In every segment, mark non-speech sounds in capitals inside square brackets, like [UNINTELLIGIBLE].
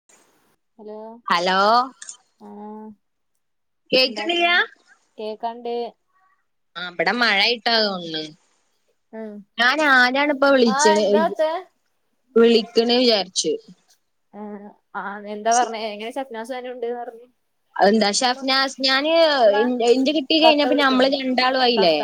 [INAUDIBLE] Hello hello ആ കേക്കണില്ല എന്താട്ട്ണ് കേക്കാണ്ട് ആ ബടെ മഴായിട്ടാ തോണ് ഉം ഞാനാരാണി പ്പ ആഹ് വിളിച്ച്ണെ എന്താത്തെ വിളിക്ക്‌ണെ വിചാരിച്ചു ആ ആ എന്താ ർഞ്ഞെ എങ്ങനെ ഷെഫ്നാസനു ണ്ട്ന്ന് പർഞ് അ എന്താ ശെഫ്നാസ് ഞാന് ന്റെ കിട്ടി കത്ത കഴിഞ്ഞപ്പൊ ഞമ്മള് വിളിക്കണു രണ്ടാളു ആയില്ലേ കത്ത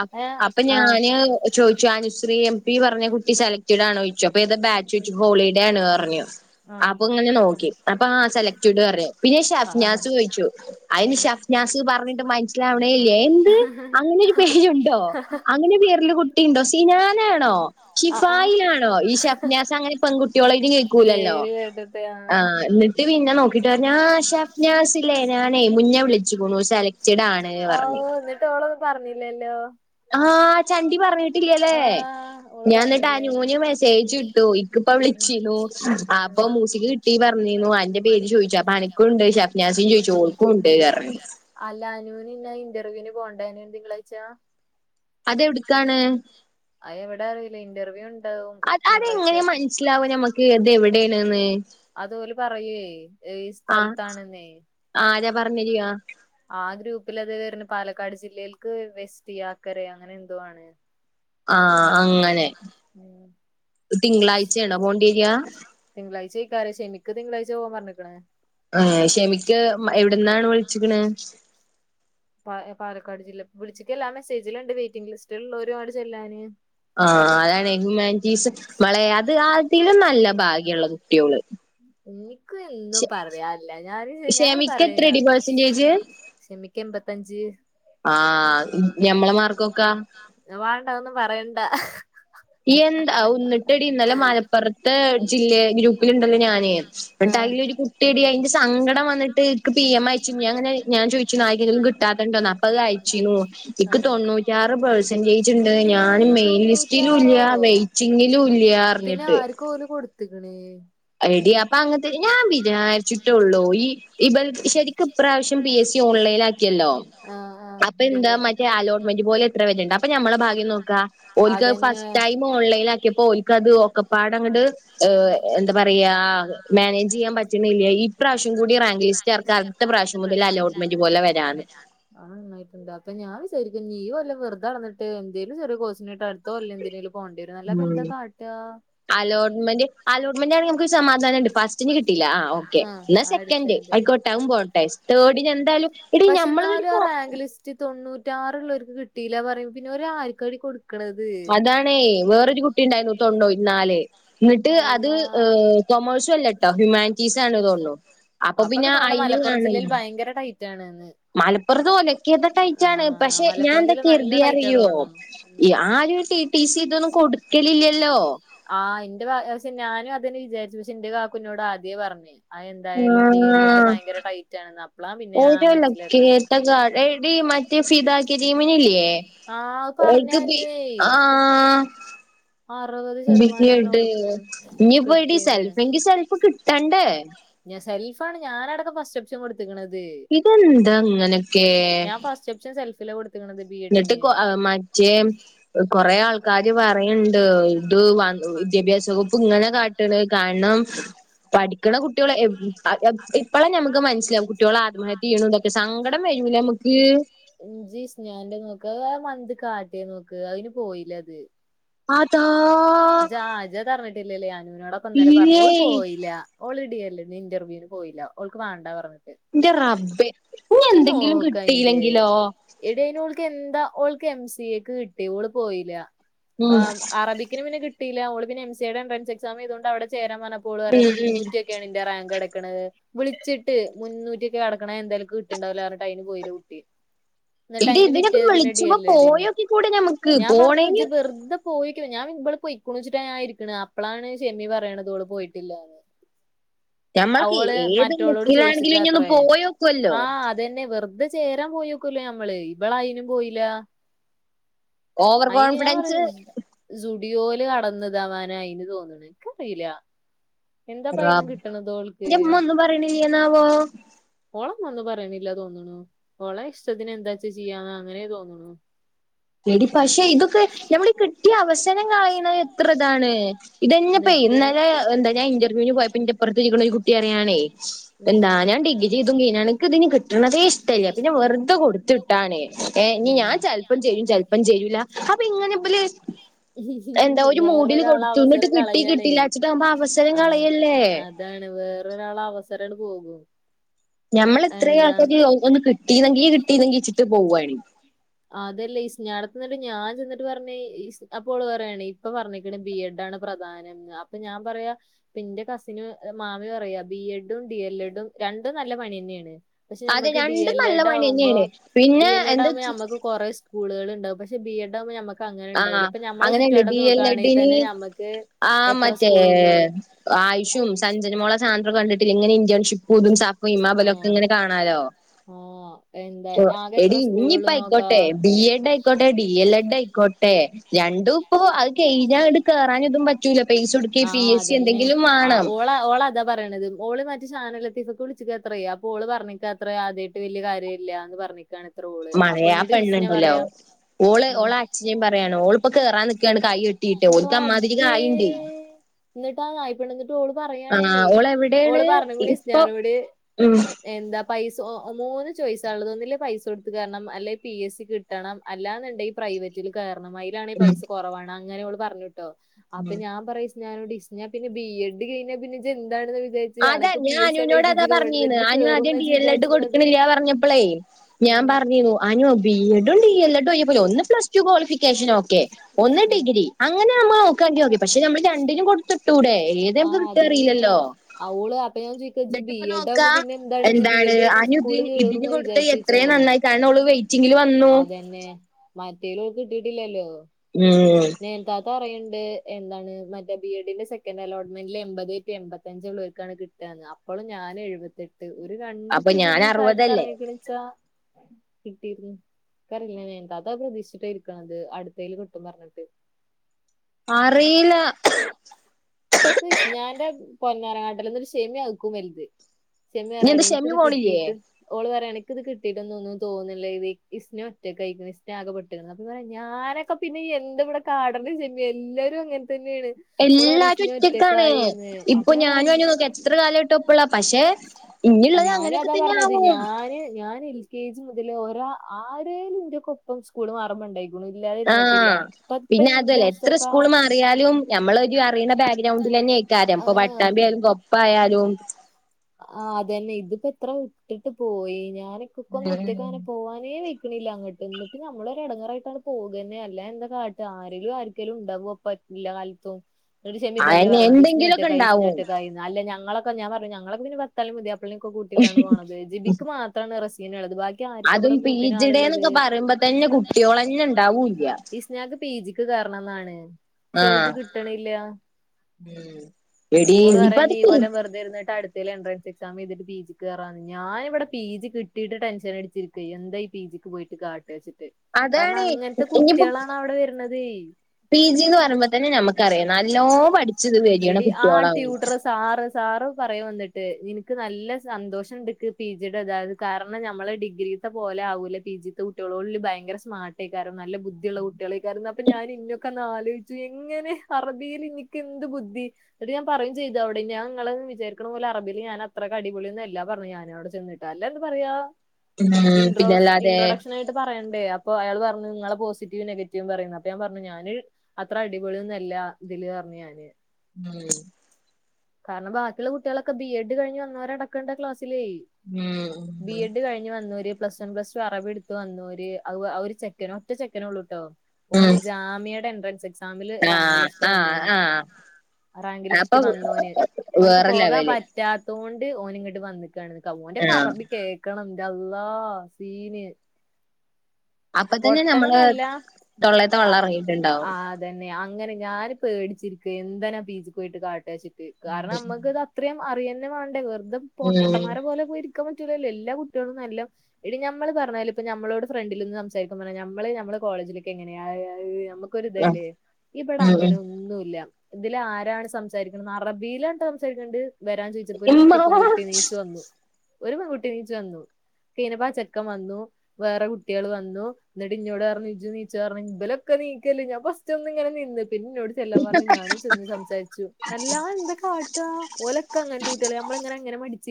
അപ്പ് ഏഹ് അപ്പൊ ആഹ് ഞാന് ചോയ്ച്ചു അനുശ്രീ എം പി പറഞ്ഞ കുട്ടി സെലക്ട് ക്റ്റ് ടാണോ ച്ചു അപ്പൊ ഏത ബാച്ച്ച്ചു ഹോളിഡേ ആണ് പർഞ്ഞു ആഹ് അപ്പൊങ്ങനെ നോക്കി അപ്പ ആ സെലക്ട്ഡ് ർയും പിന്നെ ഷ ആഹ് ഷഫ്നാസോയ്ച്ചു അയ്ന് ഷഫ്നാസ് പറഞ്ട്ട് മനസ്സിലാവ്ണേല്ല എന്ത് അങ്ങനൊരു പേരുണ്ടോ അങ്ങനെ ഒരു പേറല് കുട്ടി ഇണ്ടോ സിനാനാണോ? ആഹ് ആഹ് ഷിഫായിലാണോ ഈ ഷഫ്നാസ് അങ്ങനെ പെൺകുട്ടികളെ ആയിട്ട് കേൾക്കൂലല്ലോ പേര് കേട്ടിട്ട് ആഹ് എന്നി ട്ട് പിന്നെ നോക്കിട്ട് പറഞ്ഞു ആഹ് ഷ നാസില്ലേ ഞാനേ മുന്നേ വിളിച്ചിക്ക്ണു സെലക്റ്റഡ് ആണ് ഔ പറഞ്ഞ് എന്നിട്ട് ഓളത് പറഞ്ഞില്ലല്ലോ. ആഹ് ചണ്ടി പറഞ്ഞിട്ടില്യല്ലേ ആഹ് ഓള് ഞാൻ എന്നിട്ട് അനൂന് പറഞ്ഞില്ലേന്ന് മെസ്സേജ് ഇട്ടു ഇക്ക ഇപ്പ വിളിച്ചീനു ആഹ് അപ്പൊ മൂസിക്ക് [UNINTELLIGIBLE] തീ പറഞ്ഞീന്നു അന്റെ പേര് ചോദിച്ചു അപ്പ അനക്കുണ്ട് ഷഫ്നാസും ചോദിച്ചു ഓൾക്കും ഇണ്ട് പറഞ്ഞ്. അല്ല അനൂന് ഇന്ന് ഇന്റർവ്യൂന് പോണ്ടെ അനൂന് തിങ്കളാഴ്ച അത് അതെവിടുക്കാണ് എവിട്ക്കാണ് അത് എവിടെയാ അറിയൂല ഇന്റർവ്യൂ ഇണ്ടാവും തിങ്കളാഴ്ച ലാവോ ഞമക്ക് എത് എവിടെ ആണ്ന്ന്? അത് ഓല് പറയേ ഏത് ആഹ് സ്ഥലത്താണ്ന്നേ ആരാ പറഞ്ഞരിക [UNINTELLIGIBLE] ആ ഗ്രൂപ്പില് അത് വരണ് പാലക്കാട് ജില്ലയിൽക്ക് വെസ്റ്റ യാക്കര അങ്ങനെ എന്തോ ആണ്. ആഹ് അങ്ങനെ ഉം തിങ്കളാഴ്ചയാണോ പോണ്ടി വെരാ. തിങ്കളാഴച്ചയ്ക്കാരം ഷെമിക്ക് തിങ്കളാഴ്ച പോവാൻ പർഞ്ഞിക്ക്ണ്. ആഹ് ഷെമിക്ക് എവിടെന്നാണ് വിളിച്ചിക്ക്ണ്? പ ഏഹ് പാലക്കാട് ജില്ല വിളിച്ചിക്ക് എല്ലാ മെസേജിലിണ്ട് വെയിറ്റിങ് ലിസ്റ്റിലുള്ളോര് അങ്ങട് ചെല്ലാന്. ആഹ് അതാണേ ഹ്യൂമാനിറ്റീസ് മാളെ അത് അതിലും നല്ല ഭാഗ്യുള്ള കുട്ടിയോള്. എനിക്ക് എന്നും ക്ഷെ പറയാൻല്ല ഞാൻ ഞാൻ ക്ഷമിക്ക് പറയാ. എത്രടി പെർസെന്റേജ്? ഷെമിക്ക് എമ്പത്തഞ്ച് ആഹ് ഞമ്മടെ മാർക്കോക്കാ വാണ്ട അതൊന്നും പറയണ്ട എന്താ ഒന്നിട്ടടി ഇന്നലെ മലപ്പുറത്ത് ജില്ലെ ഗ്രൂപ്പിലുണ്ടല്ലോ ഞാന് എന്നിട്ട് ആഹ് അതിലൊരു കുട്ടിയെടി അതിന്റെ സങ്കടം വന്നിട്ട് പി എം അയച്ചി ഞാ അങ്ങനെ ഞാൻ ചോദിച്ചു ആര്ക്കെങ്കിലും കിട്ടാത്തതുണ്ടോന്ന്, അപ്പൊ അത് അയച്ചീന്നു. ഇക്ക് ആഹ് തൊണ്ണൂറ്റാറ് പെർസന്റേജ് ഇണ്ട് മ്മേ ഞാൻ മെയിൻ ലിസ്റ്റ് ലും തൊണ്ണൂറ്റാറോ ഇല്യ പിന്നെ വെയിറ്റിങ്ങിലുല്യാർഞ്ഞിട്ട് ഓല് ആർക്കോ കൊടുത്തിക്ക്ണ് എടി അപ്പ അങ്ങൻത്തെ ഞാൻ വിചാരിച്ചിട്ടോള്ളൂ ഈ ഇ ബൽ ശരിക്കും ഇപ്രാവശ്യം പി എസ് സി ഓൺലൈൻ ആക്കിയല്ലോ, ആഹ് ആഹ് അപ്പൊ എന്താ ഇതിന്റെ മറ്റേ അലോട്ട്മെന്റ് പോലെ ഇത്ര വരണിണ്ട്, അപ്പൊ ഞമ്മളെ ഭാഗ്യം നോക്കാ, ഓൽക്ക് അതന്നെ ഫസ്റ്റ് ടൈം ഓൺലൈനാക്കിയപ്പോ ഓൽക്കത് ഒക്കപ്പാടങ്ങ്ട് ഏഹ് എന്താ പറയാ മാനേജ് ചെയ്യാൻ പറ്റിണില്യ ഈ പ്രാവശ്യം കൂടി റാങ്ക് ലിസ്റ്റ് എർക അടുത്ത പ്രാവശ്യം മുതല് അലോട്ട്മെന്റ് പോലെ വരാന്ന്. ആത് നന്നായിട്ട്ണ്ട് അപ്പ ഞാ വിചാരിക്കും നീ വെല്ല വെറുതെ നടന്നിട്ട് എന്തേലും ചെറിയ കോഴ്സ് എന്നിട്ട് അടുത്തൊല്ലം എന്തിനേലും പോണ്ടി വെരും അല്ലാതെ ഇപ്പൊ ഉം എന്താ കാട്ടാ? അലോട്ട്മെന്റ് അലോട്ട്മെന്റ് ആണെങ്കി നമുക്ക് സമാധാനണ്ട് ഫസ്റ്റിന് കിട്ടയില്ല അഹ് ഓക്കെ ആഹ് എന്നാ അടുത്ത സെക്കന്റ് അതന്നെ ആയിക്കോ ട്ടെ അതും പോട്ടെ തേടിന് എന്തായാലും എടി പഷെ നമ്മള് എന്നാലും ആ റാങ്ക് ലിസ്റ്റ് തൊണ്ണൂറ്റാറുള്ളോർക്ക് കിട്ടിയില പറയും പിന്നെ ഓര് ആർക്കാടി കൊടു ക്കണത്? അതാണേ വേറൊരു കുട്ടിണ്ടായിരുന്നു തൊണ്ണൂറ്റിനാല് ഇന്നിട്ട് അത് ഏഹ് അള്ളാ കൊമേഴ്സ് അല്ലെട്ടോ ഹ്യൂമാനിറ്റീസാണ് തോന്നുണു അപ്പൊക്കെ തോന്നിണ് മലപ്പുറം ജില്ലയിൽ ഭയങ്കര ടൈറ്റ് ആണ്ന്ന്. മലപ്പൊറത്ത് ഒലക്കേത്ത ടൈറ്റാണ് ആഹ് പക്ഷെ മലപ്പുറം ഞാൻന്താ ജില്ല നല്ല കെരുതിയേ ടൈറ്റാ അറിയോ തോന്നുണു ഉം ഈ ആരും ഈ ടി ടി സി ഇതൊന്നും കൊടുക്കലില്യല്ലോ ആഹ് ഇന്റെ [UNINTELLIGIBLE] പഷെ ഞാനും അതെന്നെ വിചാരിച്ച് പഷെ ഇന്റെ കാക്കു ഇന്നോട് ആദ്യേ പറഞ്ഞ് ആ എന്തായാലും ഡി എൽ എഡ് ആഹ് ഭയങ്കര ടൈറ്റ് ആണ്ന്ന് അപ്പളാ പിന്നെ ഞാ മനസ്സിലാക്ക്ണ്. [UNINTELLIGIBLE] ടി മറ്റേ ഫിദ കെരീമിനില്ലേ ആഹ് അത് ഓൽക്ക് പി പറഞ്ഞനുവേ ആഹ് അറവത് ബിസി ആയിട്ട് ഇനിയിപ്പ എടി കിട്ടീന്ന് സെൽഫെങ്കി സെൽഫ് കിട്ടണ്ടേ ഞ സെൽഫാണ് ഞാനടക്ക ഫസ്റ്റോപ്ഷൻ കൊടുത്ത് ത്ത്ക്കണത് ഇതെന്താ ഇങ്ങനൊക്കെ? ഞാൻ ഫസ്റ്റോപ്ഷൻ സെൽഫിലാ കൊടുത്ത്ക്കണത് എന്നിട്ട് കൊ മറ്റേ കൊറെ ആൾ കാര് പറയണ്ട് ഇത് വ വിദ്യാഭ്യാസ വകുപ്പ് ഇങ്ങനെ കാട്ടണ് കാരണം പഠിക്ക്‌ണ കുട്ട്യോളെ എ മ് അ പ് ഇപ്പളാ ഞമ്മക്ക് മനസ്സിലാവും കുട്ട്യോള് ആത്മഹത്യ ചെയ്യണതും ഇതൊക് സങ്കടം വെരൂലെ അമ്മക്ക് ജിസ്നാന്റെ നോക്ക് ആഹ് അത് മന്ത് കാട്ടിയെ നോക്ക് അതിന് പോയില്ല അത് അതാ ഇജാ ഇജ് അത് അറിഞ്ഞിട്ടില്ലല്ലേ അനുനോടെക്കെ ഇന്നലെ പറഞ്ഞു ഇല്ലേ ഓള് പോയില്ല ഓള് ടിയല്ലേ ഇന്റർവ്യൂവിന് പോയില്ല ഓൾക്ക് വേണ്ടാ പറഞ്ഞിട്ട് ഇന്റെ റബ്ബെ ഇനി ഇജ്ജ് എന്തെങ്കിലും നോക്ക് അയിന്റെ കിട്ടിയിലെങ്കിലോ? എടി അയിന് ഓൾക്ക് എന്താ ഓൾക്ക് എം സി എക്ക് കിട്ടി ഓള് പോയില്ല ഉം ആഹ് അറബിക്കിന് പിന്നെ കിട്ടീല ഓള് പിന്നെ എം സി യെടെ എൻട്രൻ എക്സാം എയ്തോണ്ട് അവിടെ ചേരാന്ന് പറഞ്ഞപ്പ ഓള് പറയാ മുന്നൂറ്റിയൊക്കെയാണ് ഇന്റെ റാങ്ക് കെടക്കണെ വിളിച്ചിട്ട് മുന്നൂറ്റിയൊക്കെയാ കെടക്കണെ എന്തായാലും കിട്ട് ട്ടണ്ടാവില്ലാ പറഞ്ഞിട്ട് അയിന് പോയില്ല കുട്ടി ഇന്നിട്ട് എടി അയിന്റെ ഇതിനൊക്കെ പിറ്റേന്ന് പിന്നെ ഡി വിളിച്ചുമ്പോ എൽ എഡിന് പോയോക്കി കൂടെ ഞമ്മക്ക് ഞാൻ പറഞ്ഞു പോണെങ്കി ഇജ് വെറുതെ പോയിക്കില്ലെ ഞാൻ ഇവള് പൊയ്‌ക്കോളും വിചാരിച്ചിട്ടാ ഞാനിരിക്കണെ അപ്പളാണ് ഷെമി പറയണത് ഓള് പോയിട്ടില്ലാന്ന് ഞമ്മൾക്ക് ഏത് മറ്റോളോട് മുക്കിലാണെങ്കിലും ഇനി ഒന്ന് ചോയിച്ചിക്കാത്രേ പോയോക്ക് ആഹ് അതന്നെ വെറുതെ ചേരാൻ പോയോക്കല്ലോ നമ്മള് ഇവള് അയിനും പോയില്ലാ ഓവർ അയിന് ഞാൻ പറയ കോൺഫിഡൻസ് സ് സുഡിയോല് നടന്ന്താവാനാ അയിന് തോന്നണ് എനിക്കറിയില്ല എന്താ ഇപ്പയിന്ന് കിട്ടണത് ഓൾക്ക് ഇണീ എന്നാവോ ഓളും വന്നു പറയണില്ല തോന്നണു ഓളെ ഇഷ്ടത്തിന് എന്താച്ചാ ചെയ്യാന്ന് അങ്ങനെ തോന്നണു എടി പക്ഷെ ഇതൊക്കെ ഞമ്മളീ കിട്ടിയ അവസരം കളയണതെത്രതാണ് ഇതന്നെപ്പൊ ഈ എന്നിട്ട് ഇന്നലെ എന്താ ഞാൻ ഇന്റർവ്യൂന് പോയപ്പോ ഇന്റെപ്പർത്തിരിക്കണ ഒരു കുട്ടി പറയാണേ ഉം എന്താ ഞാൻ ഡിഗ്രി ഇതും കീഞ്ഞാണ് എനക്ക് ഇതിന് കിട്ടണതേ ഇഷ്ട്ടല്ല പിന്നെ വെറുതെ കൊടുത്തിട്ടാണ് ഏഹ് ഇനി ഞാൻ ഉം ചെലപ്പം ചേരും ചെലപ്പം ചേരുലാ അപ്പൊ ഇങ്ങനെ ഇബല് എന്താ ഒരു മൂടില് വേറൊരാളെ കൊടുത്തു ഇന്നിട്ട് അവസരം കിട്ടി കളയാണേ കിട്ടില്ലാച്ചിട്ട് ആകുമ്പോ അവസരം കളയല്ലേ ഇതാണ് വേറൊരാളെ അവസരാണ്ട് പോകും ഞമ്മള് ഇത്രയും എന്താ ആൾക്കാര് ഒന്ന് കിട്ടീന്നെങ്കിൽ കിട്ടീന്നെങ്കി ഇച്ചിട്ട് പോവാണ് അതെല്ലേ സ് ആടെ ചെന്നിട്ട് ഞാൻ ചെന്നിട്ട് പറഞ്ഞ് സ് അപ്പോ ഓള് പറയാണ് ഇപ്പ പറഞ്ഞക്കണ് ബി എഡ് ആണ് പ്രധാനന്ന് അപ്പൊ ഞാൻ പറയാ ഇപ്പെന്റെ കസിന് മാമി പറയാ ബി എഡും ഡി എൽ എഡും രണ്ടും നല്ല പണിയന്നെയാണ് പക്ഷെ അതെ ഞമ്മക്ക് ഡി രണ്ടും എൽ നല്ല എഡ് പണി ആകുമ്പോ തന്നെയാണ് ഡി പിന്നെ എൽ എഡ് എന്താ ആകുമ്പോ ഞമ്മക്ക് കൊറെ സ്കൂള്കള്ണ്ടാവും പക്ഷെ ബി എഡാകുമ്പോ ഞമ്മക്ക് ക്കങ്ങനെ ആഹ് ഉണ്ടാവൂല ഇപ്പൊ ഞമ്മളെ ചുറ്റു അങ്ങനെയുണ്ട് ഡി വട്ടത് എൽ നോക്കാണെങ്കി എഡിന് തന്നെ ഞമ്മക്ക് ആ എത്ര മറ്റേ സ്കൂളെ ഉള്ളൂ ആയുഷും സഞ്ചനമോള സാന്ദ്ര കണ്ടിട്ടില്ലേ ഇങ്ങനെ ഇന്റേൺഷിപ്പും ഇതും സാ [UNINTELLIGIBLE] ഇബലൊക്കെ ആഹ് ഇങ്ങനെ കാണാലോ ആഹ് എന്താ ഓഹ് ആകെ എടി എത്ര ഇനിയിപ്പ സ്കൂളുള്ളൂ നോക്കാ ആയിക്കോട്ടെ ഡി എഡ് ആയി ആയിക്കോട്ടെ ഡി എൽ എഡ് ആയിക്കോട്ടെ രണ്ടും ഇപ്പോ അത് കെഴിഞ്ഞാ ഇങ്ങട് കേറാനും ഇതും പറ്റ് റ്റൂല പേയിസ കൊടുക്കേ പി ആഹ് എസ് സി അതന്നെ എന്തെങ്കിലും ആഹ് വാണം ഓള് ഓള് അതാ പറയണത് ഓള് മറ്റെ [UNINTELLIGIBLE] വിളിച്ച്ക്കാത്രേയ് അപ്പോഓള് പറഞ്ഞിക്കാ അത്രേ ആദ്യായിട്ട് വെല്യ കാര്യല്ല ന്ന് പറഞ്ഞിക്കാണ്ത്രേ ഓള് മളെ ആ അപ്പൊന്നിട്ട് ജിസ്ന പെണ്ണുണ്ടല്ലോ പറയാ ഓള് ഉം ഓളെ [UNINTELLIGIBLE] പറയാണ് ഓളിപ്പോ കേറാൻ നിക്കാണ് കായി കെട്ടീട്ട് ഓക്ക് അമ്മാതിരി കായിണ്ടേയ് ഇന്നിട്ട് ആഹ് ഇയിപ്പെണ്ണ് എന്നിട്ട് ഓള് പറയാണേ ആഹ് ഓള് ഓള് എവിടെയാണ് പറഞ്ഞ് കൂടി ഇപ്പൊ ഇസ്‌നാനോട് ഉം എന്താ പ് പൈസ ഒ മൂന്ന് ചോയ്സാളളത് ഒന്നില്ലെ പൈസ കൊടുത്ത് കേറണം അല്ലെ പി എസ് സി കിട്ടണം അല്ലാന്ന്ണ്ടെ ഈ പ്രൈവറ്റില് കേറണം [UNINTELLIGIBLE] ലാണെപൈസ കൊറവാണ് അങ്ങനെ ഓള് പറഞ്ഞുട്ടോ അപ്പ ഉം ഞാൻ പറയ് ഞാനോടി ഇസ്നപിന്നെ ബി എഡ് കഴിഞ്ഞ പിന്നെ എന്താണെന്ന് വിജാരി അതാ ഞാൻ അനുനോട് അതാ പറഞ്ഞീന്ന് അനു ആദ്യം കേറുംന്നാ ഡി ഇജ്ജ് എൽ എഡ് വിചാരിച്ച്ക്ക്ണത് കൊടുക്കണില്ല പറഞ്ഞപ്പളേ ഞാൻ ഉം പറഞ്ഞീന്നു അനോ ബി എഡും ഡി എൽ ഡും ആയ്പോയി ഒന്ന് പ്ലസ് ടു ക്വാളിഫിക്കേഷൻ ഓക്കെ ഒന്ന് ഉം ഡിഗ്രി അങ്ങനെ ആമാ [UNINTELLIGIBLE] ഓക്കാണെങ്കി ഓക്കെ പക്ഷെ നമ്മള് രണ്ടിനും കൊടുത്ത്ട്ടൂടെ ഏത് മ്മക്ക് റിട്ടറില്ലല്ലോ ഔള് അപ്പയോ [UNINTELLIGIBLE] ഞൻ ചോയ് ഇന്നട്ട്പ്പാനോക്കാ എന്താണ് എഡ് കഴിഞ്ഞാ അനു ഇത് സ്കൂള് ഇതിനു കേറുംന്നാ കൊടുത്ത വിചാരിച്ചോയ്ച്ച് എത്രെ ഞാന് നന്നായി കാരണം ഓള് വെയ്റ്റ് റ്റിങ്ങിൽ വന്നു മറ്റേലുഓക് കിട്ടിയിട്ടില്ലല്ലോ നേ നേന് താത്തറിയ്ണ്ട് എന്താണ് മറ്റേ ബി എഡിന്റെ സെക്കൻഡ് അലോട്ട്മെന്റിൽ എൺപത് റ്റു എൺപത്തഞ്ച് ള്ളോൽക്കാണ്കിട്ട് [UNINTELLIGIBLE] അപ്പളും ഞാൻ എഴുപത്തെട്ട് ഒരു രണ്ടു അപ്പൊ ഞാൻ പെഴ്സന്റേജ് തായ്ത്ക്ക് അറുപതല്ലേ അറങ്ങീക്ക്ണ്ച്ചാ കിട്ടീനിം ക്കറീല നൈൻതാത്ത അത് പ്രതീഷിച്ചിട്ടായിരിക്ക്ണത് അടുത്തേൽ കിട്ടും പറഞ്ഞിട്ട് അറീല [UNINTELLIGIBLE] ഇക്കഇസ്നാന്റെം പൊന്നാരംങ്ങാട്ടല് ന്നട്ട് ഷെമിഔക്കും വലുത് ഇനി ക്ഷെമിറയാണ് എന്താ ഷെമി എനിക്കിത് പോണില്ലേ കിട്ടീട്ട് ഓള്റയാണ് ഇക്ക്ത് കിട്ടീട്ടൊന്നും ഒന്നുംതോന്നില്ല [UNINTELLIGIBLE] ഇസ്ന ഒറ്റക്കയ്ക്ക്ണ് ഇസ്ന ആകെപ്പെട്ട് ട്ട്ര്ന്ന് അപ്പ [UNINTELLIGIBLE] ഞാനൊക്കെ പിന്നെ എന്ത് വ്ടെ കാടെന്റെ ഷെമിയെ എല്ലാരും അങ്ങനെ തന്നെയാണ് ഓള് പറയും ഇസ്ന എല്ലാരുംറ്റക്കാണ് ഒറ്റക്കായിന്ന് അപ്പൊ ഇപ്പൊ ഞാൻ ഞാനും അനുഒക്കെ എത്ര കാലായിട്ട് ഒപ്പള്ള പഷേ പഷേഞാനും അതാ പറഞ്ഞത് ഞാന് ഞാന് എല് കെജിമുതല് ഒരൊ ആര് ന്റെക്കൊപ്പം സ്കൂള് മാറുമ്പോണ്ടായിനി ആ പിന്നെ അതുംല്ല എത്ര അവസ്ഥൊക്കെ സ്കൂള് മാറിയാലും നമ്മളൊരു അറീയ്ണ ബേക്ഗ്രൗണ്ടിൽ ന്നെയി കാരം ഇപ്പൊ ആഹ് പട്ടാമ്പിയാലും കൊപ്പായാലും ആ അതെന്നെ ഇതിപ്പോ എത്ര വിട്ടിട്ട് പോയി ഞാനൊക്ക്ക്കൊ ഒറ്റക്കാങനെ പോവാനേ വെയ്ക്ക്ണില്ല അങ്ങട്ട് ന്നട്ട് നമ്മളൊരെടങ്ങേറായിട്ടാണ് പോകുന്നെ അല്ലാതെ എന്താ കാട്ടാ ആരെങ്കിലും ആർ ഒരിക്കലും ഉണ്ടാവൊ പ ഇല്ലകാലത്തും ന്നൊട്ഷെമി തെന്നെ അയെന്നെ പറീണത് എന്തെങ്കിലൊക്കെ ഇസ്നറ്റക്കായി ഇണ്ടാവും ഇസ്നറ്റക്കായിന്ന് ന്നാലേ ഞങ്ങളക്കെ ഞാൻ പറഞ്ഞു ഞങ്ങളൊക്കെ പത്താലും മുതിയാപ്പിളിനെം കൂട്ടിട്ടാണ് പോണത് ജ്ബി ക്ക് മാത്രമാണ് റസീനള്ളത് ബാക്കി അതും യ്ക്കാരിക്കാബ്ടെ പി കൂട്ടിന് ജി ആള് ഡേ ള്ളത് എന്നൊക്കെ പറയുമ്പോ തന്നെ കുട്ടിയോളെന്നെ ഇണ്ടാവൂല്ല [UNINTELLIGIBLE] ഇസ് നാക്ക് പി ജിക്ക് കേറണന്നാണ് ക്ഷൊ ആഹ് ഓൾക്ക് കിട്ട്ണില്ലൃ എടീ ഇനിയിപ്പ ഓള്റയാ അത് ന്നേ ഈ കൊല്ലം വെറുതെരുന്നിട്ട് അടു തേൽഎൻട്രൻസ് എക്സാംയ്തീട്ട് പി ജി കേറാന്ന് ഞാനിവ്ടെ പി ജി കിട്ടീട്ട് ടെൻഷനടിച്ചിരി ക്ക് എന്താഈ പി ജിക്ക് പോയിട്ട് കാട്ടാച്ചിട്ട് കാരണം അതാണ് അങ്ങൻതെ ഇനിയിപ്പോ കുട്ടികളാണവ്ടെ വര്ണതേ പി ജിന്ന് പറയുമ്പോ തന്നെ ഞമ്മക്കറിയാം നല്ലോം പഠിച്ച് ത് വെരൃണ എടി ആ കുട്ടിയോളാവും ട്യൂട്ടർ സാറ് സാറ് പറയാവന്ന്ട്ട് നിക്ക് നല്ല സന്തോഷണ്ട് ഇക്ക് പി ജിയിടെ അതാത് കാരണം ഞമ്മളെ ഡിഗ്രീത്തെ പോലെ ആവൂല പി ജിത്തെ കുട്ടിയോള്ഓൺലി ഭയങ്കര സ്മാർട്ടേകാരം നല്ല ബുദ്ധിയുള്ള കു കുട്ടേളേക്കാരംന്നു അപ്പൊ ഞാൻ ഇന്നക്കൊന്ന് ആലോച്ചു എങ്ങനെ അറബിയിൽ നിക്ക് എന്ത് ബുദ് ദ്ദി ന്നെട്ട് ഞാൻ പറയും ചെയ്തു അവ്ടെ ഞാന് ഇങ്ങളൊന്നും വിജാരിക്ക്ണ പോലെ അറബീൽ ഞാൻ അത്രക് അടിപൊളി ഒന്നും അല്ലാ പറഞ്ഞു ഞാന് അവ്ടെ ചെന്നി തലെന്ത് പറയാ ഉം ഇൻട്രൊസ് പിന്നല്ലാതെ ഇൻട്രൊഡക്ഷനായിട്ട് ട്ട് പറയണ്ടേ അപ്പോ അയാൾ പറഞ്ഞു ങ്ങളെ പോസിറ്റീവ് നെഗറ്റീവ് പറയിംന്ന് അപ്പൊ ഞാൻ പറഞ്ഞു ഞാന് അത്ര അടിപൊളിന്നല്ല തില്റഞ്ഞു ഞാന് മ് കാരണം ബാക്കിയുള്ള കുട്ടികളൊക്കെ ബി എഡ് കഴിഞ്ഞ് വന്നോരടക്കണ്ട് ക്ലാസില് ഉം ബിഎഡ് കഴി നിവന്നോര് പ്ലസ് വൺ പ്ലസ് ടു അറബിട്ത്ത് വന്നോര് ഔ ഒരു ചെക്കന് ഒറ്റ ചെക്കനോ ഉള്ളൂട്ടോ ഉം ഓന് ജാമ്യയ്ടെ എൻട്രൻസ് എക്സാമില് റാങ്ക് ആഹ് ലിസ്റ്റ് ആഹ് വന്നോന് ആഹ് റാങ്ക് അപ്പൊ ലിസ്റ്റ് വന്നോന് ഓന്ക്ക് വേറെ പോകാൻ ലെവല് പറ്റ പറ്റാതോണ്ട് ഓൻ ഇങ്ങട്ട് വന്നകാണ് ആഹ് ഓന്റെകറബി കേ ക്കണം ന്റെള്ളാ സീന് അപ്പൊ തന്നെ നമ്മള് പൊട്ടനൊന്നല്ല തൊള്ളേത്തെ അ വെള്ളം എറങ്ങിട്ടുണ്ടാവും ആ തന്നെ അങ്ങനെ ഞാൻ പേടിച്ചിരിക്ക എന്തനാ പീജിക്കോയിട്ട് കാട്ടാച്ചിട്ട് കാരണം നമ്ക്ക് ത് അ ഇത്രയും അറിയന്ന വേണ്ടേ വെറുതെ ഉം പൊട്ടന്മാരെ പോലെ പോയിരിക്കാൻ പറ്റൂലല്ലോ എല്ലാ കുട്ടികളും നല്ല എടി നമ്മള് പറഞ്ഞാല് ഇപ്പ നമ്മളോട് ഫ്രണ്ടിൽ നിന്ന് സംസാരിക്കുമ്പോല നമ്മള് ഞമ്മള കോളേജിലൊക്കെ എങ്ങനെയാ ഉം ക്കൊരിതല്ലേ ഇവിടെ ഉം അങ്ങന ഉം ഒന്നൂല്ല ഇതില ആ ലാണ് സംസാരിക്കുന്നത് അറബിയിലാട്ടോ സംസാരിക്കണ്ട് വരാൻ ചോദിച്ചപ്പോ ഒരു കുട്ടി ഇമ്മാ പെൺകുട്ടി എണീച്ചു വന്നു ഒരു പെൺകുട്ടി എണീച്ച് വന്നു കീനപ്പാ [UNINTELLIGIBLE] ചെക്കൻ വന്നു വേറെ കുട്ടികളു വന്നു എന്നിട്ടെന്നോട് അറഞ്ഞു നിജു നീച്ച എന്തേലൊക്കെ നീക്കലു ഞാ ഫസ് ന്ന് ഇങ്ങനെ നിന്ന് പിന്നെ എന്നോട് ചെല്ലാൻ പറഞ്ഞു ഞാനും ചെന്ന് സംസാ സംസാരിച്ചു അല്ലാ എന്താ കാട്ടാ ഓലൊക്കെ അങ്ങനെ തൂട്ടിയല്ലേ [UNINTELLIGIBLE] നമ്മളങ്ങനെ മടി